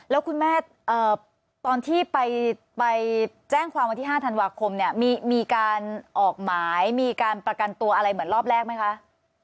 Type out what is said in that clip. แล้วคุณแม่ตอนที่ไปแจ้งความวันที่๕ธันวาคมเนี่ยมีการออกหมายมีการประกันตัวอะไรเหมือนรอบแรกไหมคะ